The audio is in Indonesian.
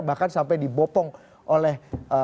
bahkan sampai dibopong oleh